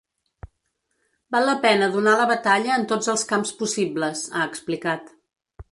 Val la pena donar la batalla en tots els camps possibles, ha explicat.